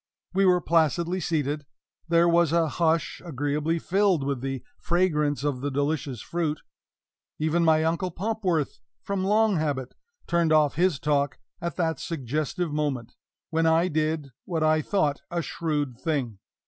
We were placidly seated; there was a hush, agreeably filled with the fragrance of the delicious fruit; even my Uncle Popworth, from long habit, turned off his talk at that suggestive moment; when I did what I thought a shrewd thing.